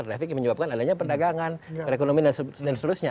traffic yang menyebabkan adanya perdagangan perekonomian dan seterusnya